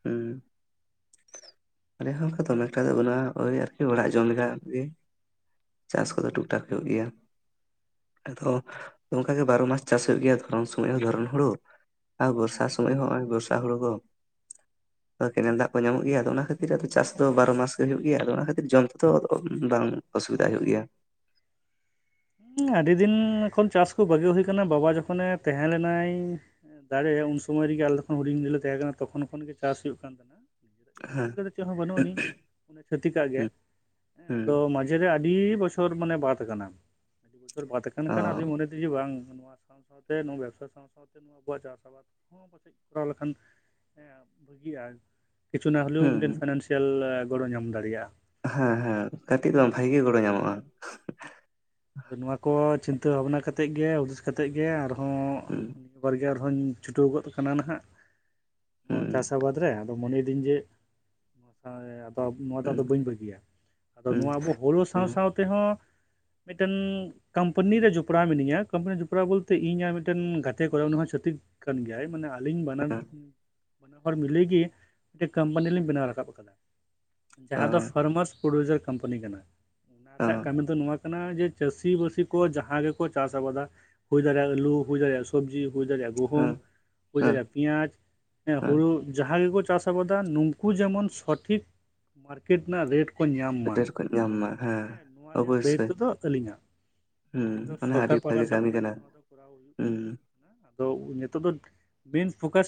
[SPEAKER 2] ᱦᱩᱸ᱾ ᱟᱞᱮᱭᱟᱜ ᱦᱚᱸ ᱚᱝᱠᱟ ᱫᱚᱢᱮ ᱮᱠᱴᱟ ᱫᱚ ᱵᱟᱹᱱᱩᱜᱼᱟ ᱳᱭ ᱟᱨᱠᱤ ᱚᱲᱟᱜ ᱡᱚᱢ ᱞᱮᱠᱟ ᱜᱮ᱾ ᱪᱟᱥ ᱠᱚᱫᱚ ᱴᱩᱠ ᱴᱟᱠ ᱦᱩᱭᱩᱜ ᱜᱮᱭᱟ᱾ ᱟᱫᱚ ᱚᱝᱠᱟᱜᱮ ᱵᱟᱨᱚ ᱢᱟᱥ ᱪᱟᱥ ᱦᱳᱭᱳᱜ ᱜᱮᱭᱟ ᱫᱷᱚᱨᱚᱱ ᱥᱚᱢᱚᱡ ᱦᱚᱸ ᱫᱷᱚᱨᱚᱱ ᱦᱳᱲᱳ᱾ ᱟ ᱵᱚᱨᱥᱟ ᱥᱚᱢᱚᱡ ᱦᱚᱸ ᱱᱚᱜᱼᱚᱭ ᱵᱚᱨᱥᱟ ᱦᱳᱲᱳ ᱦᱚ ᱚ ᱠᱮᱱᱮᱞ ᱫᱟᱜ ᱠᱚ ᱧᱟᱢᱚᱜ ᱜᱮᱭᱟ ᱟᱫᱚ ᱚᱱᱟ ᱠᱷᱟᱛᱤᱨ ᱟᱫᱚ ᱪᱟᱥ ᱫᱚ ᱵᱟᱨᱚ ᱢᱟᱥ ᱜᱮ ᱦᱩᱭᱩᱜ ᱜᱮᱭᱟ ᱟᱫᱚ ᱚᱱᱟ ᱠᱷᱟᱛᱤᱨ ᱡᱚᱢ ᱛᱮᱫᱚ ᱵᱟᱝ ᱚᱥᱩᱵᱤᱫᱟ ᱦᱩᱭᱩᱜ ᱜᱮᱭᱟ
[SPEAKER 1] ᱟᱹᱰᱤ ᱫᱤᱱ ᱠᱷᱚᱱ ᱪᱟᱥ ᱠᱚ ᱵᱟᱹᱜᱤ ᱦᱩᱭ ᱠᱟᱱᱟ ᱵᱟᱵᱟ ᱡᱚᱠᱷᱚᱱᱮ ᱛᱟᱦᱮᱸ ᱞᱮᱱᱟᱭ ᱫᱟᱲᱮ ᱩᱱ ᱥᱚᱢᱟᱹᱭ ᱨᱮᱜᱮ ᱟᱞᱮᱠᱷᱚᱱ ᱦᱩᱰᱤᱧ ᱨᱤᱞᱮ ᱛᱟᱦᱮᱸ ᱠᱟᱱᱟ ᱛᱚᱠᱷᱚᱱ ᱠᱷᱚᱱ ᱜᱮ ᱪᱟᱥ ᱦᱩᱭᱩᱜ ᱠᱟᱱ ᱛᱟᱦᱮᱱᱟ ᱱᱤᱡᱮᱨᱟᱜ ᱡᱚᱢᱤ
[SPEAKER 2] ᱦᱮᱸ
[SPEAKER 1] ᱡᱟᱭᱜᱟ ᱫᱚ ᱪᱮᱜ ᱦᱚᱸ ᱵᱟᱹᱱᱩᱜ ᱟᱹᱱᱤ ᱟᱱᱟ ᱪᱷᱟᱹᱛᱤᱠᱟᱜ ᱜᱮ
[SPEAKER 2] ᱦᱩᱸ
[SPEAKER 1] ᱮᱸ
[SPEAKER 2] ᱦᱩᱸ
[SPEAKER 1] ᱟᱫᱚ ᱢᱟᱡᱮ ᱨᱮ ᱟᱹᱰᱤ ᱵᱚᱪᱷᱚᱨ ᱢᱟᱱᱮ ᱵᱟᱫ ᱠᱟᱱᱟ ᱵᱚᱪᱷᱚᱨ ᱵᱟᱫ ᱠᱟᱱ
[SPEAKER 2] ᱚ
[SPEAKER 1] ᱠᱷᱟᱱ ᱟᱫᱚᱧ ᱢᱚᱱᱮᱫᱤ ᱡᱮ ᱵᱟᱝ ᱱᱚᱣᱟ ᱥᱟᱶ ᱥᱟᱶᱛᱮ ᱱᱚᱣᱟ ᱵᱮᱵᱽᱥᱟ ᱥᱟᱶ ᱥᱟᱶᱛᱮ ᱱᱚᱣᱟ ᱟᱵᱳᱣᱟᱜ ᱪᱟᱥ ᱟᱵᱟᱫ ᱦᱚᱸ ᱱᱚᱣᱟ ᱯᱟᱥᱮᱡ ᱠᱚᱨᱟᱣ ᱞᱮᱠᱷᱟᱱ ᱮᱸ ᱵᱷᱟᱹᱜᱤᱜᱼᱟ ᱠᱤᱪᱷᱩᱱᱟ ᱦᱳᱞᱮᱣ
[SPEAKER 2] ᱦᱩᱸ
[SPEAKER 1] ᱢᱤᱫᱴᱮᱱ ᱯᱷᱤᱱᱟᱱᱥᱤᱭᱟᱞ ᱜᱚᱲᱚ ᱧᱟᱢ ᱫᱟᱲᱮᱭᱟᱜᱼᱟ
[SPEAKER 2] ᱦᱮᱸ ᱦᱮᱸ ᱠᱟᱹᱴᱤᱡ ᱫᱚ
[SPEAKER 1] ᱦᱮᱸ
[SPEAKER 2] ᱵᱷᱟᱜᱤ ᱜᱚᱲᱚ ᱧᱟᱢᱚᱜᱼᱟ
[SPEAKER 1] ᱟᱫᱚ ᱱᱚᱣᱟ ᱠᱚ ᱪᱤᱱᱛᱟᱹ ᱵᱷᱟᱵᱱᱟ ᱠᱟᱛᱮᱜ ᱜᱮ ᱦᱩᱫᱤᱥ ᱠᱟᱛᱮᱜ ᱜᱮ ᱟᱨᱦᱚᱸ
[SPEAKER 2] ᱦᱩᱸ
[SPEAKER 1] ᱱᱤᱭᱟᱹ ᱵᱟᱨᱜᱮ ᱟᱨᱦᱚᱧ ᱪᱷᱩᱴᱟᱹᱣ ᱜᱚᱫ ᱠᱟᱱᱟ ᱱᱟᱦᱟᱜ ᱱᱚᱣᱟ
[SPEAKER 2] ᱦᱩᱸ
[SPEAKER 1] ᱪᱟᱥ ᱟᱵᱟᱫᱽ ᱨᱮ ᱟᱫᱚ ᱢᱚᱱᱮᱭᱮᱫᱟᱹᱧ ᱡᱮ ᱳᱭ ᱛᱚ ᱱᱚᱣᱟ ᱫᱚ
[SPEAKER 2] ᱦᱩᱸ
[SPEAKER 1] ᱟᱫᱚ ᱵᱟᱹᱧ ᱵᱟᱹᱜᱤᱭᱟ ᱟᱫᱚ
[SPEAKER 2] ᱦᱩᱸ
[SPEAKER 1] ᱱᱚᱣᱟ ᱟᱵᱚ ᱦᱳᱲᱳ ᱥᱟᱶ
[SPEAKER 2] ᱦᱩᱸ
[SPEAKER 1] ᱥᱟᱶ ᱛᱮᱦᱚᱸ ᱢᱤᱫᱴᱮᱱᱻ ᱠᱟᱢᱯᱟᱱᱤ ᱨᱮ ᱡᱚᱯᱲᱟᱣ ᱢᱤᱱᱟᱧᱟ ᱠᱟᱢᱯᱟᱱᱤ ᱡᱚᱯᱲᱟᱣ ᱵᱚᱞᱛᱮ ᱤᱧ ᱟᱨ ᱢᱤᱫᱴᱮᱱ ᱜᱟᱛᱮ ᱠᱚᱲᱟ ᱩᱱᱤ ᱦᱚᱸ ᱪᱷᱟᱹᱛᱤᱠ ᱠᱟᱱ ᱜᱮᱭᱟᱭ ᱢᱟᱱᱮ ᱟᱹᱞᱤᱧ
[SPEAKER 2] ᱦᱮᱸ
[SPEAKER 1] ᱵᱟᱱᱟᱨ-ᱵᱟᱱᱟ ᱦᱚᱲ ᱢᱤᱞᱮ ᱜᱮ ᱢᱤᱫᱴᱮᱱ ᱠᱟᱢᱯᱟᱱᱤ ᱞᱤᱧ ᱵᱮᱱᱟᱣ ᱨᱟᱠᱟᱵ ᱟᱠᱟᱫᱟ ᱡᱟᱦᱟᱸ ᱫᱚ
[SPEAKER 2] ᱦᱮᱸ
[SPEAKER 1] ᱯᱷᱟᱨᱢᱟᱥ ᱯᱨᱩᱰᱤᱭᱩᱥᱟᱨ ᱠᱟᱢᱯᱟᱱᱤ ᱠᱟᱱᱟ ᱚᱱᱟ ᱨᱮᱱᱟᱜ ᱠᱟᱹᱢᱤ ᱫᱚ ᱱᱚᱣᱟ ᱦᱩᱭᱩᱜ ᱠᱟᱱᱟ ᱡᱮ ᱪᱟᱹᱥᱤ ᱵᱟᱹᱥᱤ ᱠᱚ ᱡᱟᱦᱟᱸ ᱜᱮᱠᱚ ᱪᱟᱥ ᱟᱵᱟᱫᱟ ᱦᱩᱭ ᱫᱟᱲᱮᱭᱟᱜ ᱟᱞᱩ ᱦᱩᱭ ᱫᱟᱲᱮᱭᱟᱜ ᱥᱚᱵᱡᱤ ᱦᱩᱭ ᱫᱟᱲᱮ ᱜᱩᱦᱩᱢ
[SPEAKER 2] ᱦᱮᱸ
[SPEAKER 1] ᱦᱩᱭ
[SPEAKER 2] ᱦᱮᱸ
[SPEAKER 1] ᱫᱟᱲᱮᱭᱟᱜ ᱯᱮᱸᱭᱟᱡ ᱦᱮᱸ ᱦᱩᱲᱩ ᱡᱟᱦᱟᱸ ᱜᱮᱠᱚ ᱪᱟᱥ ᱟᱵᱟᱫᱟ ᱱᱩᱝᱠᱩ ᱡᱮᱢᱚᱱ ᱥᱚᱴᱷᱤᱠ ᱢᱟᱨᱠᱮᱴ ᱨᱮᱱᱟᱜ ᱨᱮᱴ ᱠᱚ ᱧᱟᱢ ᱢᱟ
[SPEAKER 2] ᱰᱷᱮᱨ ᱠᱚ ᱧᱟᱢ ᱢᱟ ᱦᱮᱸ
[SPEAKER 1] ᱱᱚᱣᱟ ᱨᱮᱭᱟᱜ
[SPEAKER 2] ᱚᱵᱚᱥᱥᱳᱭ
[SPEAKER 1] ᱫᱟᱭᱤᱛᱛᱚ ᱫᱚ ᱟᱹᱞᱤᱧᱟᱜ
[SPEAKER 2] ᱦᱩᱸ
[SPEAKER 1] ᱟᱹᱞᱤᱧ ᱫᱚ
[SPEAKER 2] ᱚᱱᱟ ᱦᱚᱸ ᱟᱹᱰᱤ
[SPEAKER 1] ᱥᱚᱨᱠᱟᱨ ᱯᱟᱦᱴᱟ
[SPEAKER 2] ᱵᱷᱟᱹᱜᱤ
[SPEAKER 1] ᱥᱮᱫ
[SPEAKER 2] ᱠᱟᱹᱢᱤ
[SPEAKER 1] ᱠᱷᱚᱱᱟᱜ
[SPEAKER 2] ᱠᱟᱱᱟ
[SPEAKER 1] ᱜᱮ ᱱᱚᱣᱟ ᱫᱚ ᱠᱚᱨᱟᱣ ᱦᱩᱭᱩᱜ
[SPEAKER 2] ᱦᱩᱸ
[SPEAKER 1] ᱦᱩᱭᱩᱜ ᱠᱟᱱᱟ ᱟᱫᱚ ᱱᱤᱛᱚᱜ ᱫᱚ ᱢᱮᱱ ᱯᱷᱳᱠᱟᱥ